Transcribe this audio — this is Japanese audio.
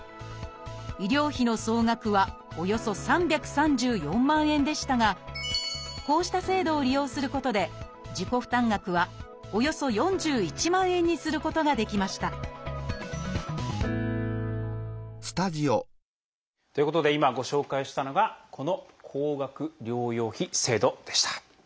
医療費の総額はおよそ３３４万円でしたがこうした制度を利用することで自己負担額はおよそ４１万円にすることができましたということで今ご紹介したのがこの高額療養費制度でした。